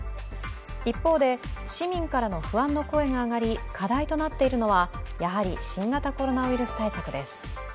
一方で、市民からの不安の声が上がり、課題となっているのはやはり新型コロナウイルス対策です。